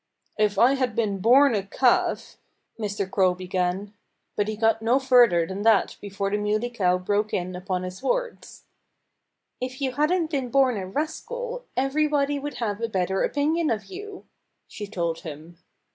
"If I had been born a calf " Mr. Crow began. But he got no further than that before the Muley Cow broke in upon his words. "If you hadn't been born a rascal everybody would have a better opinion of you," she told him.